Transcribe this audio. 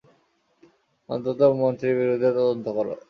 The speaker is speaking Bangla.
অন্তত মন্ত্রীর বিরুদ্ধে তদন্ত কর।